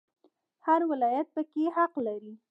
هر ولایت پکې حق لري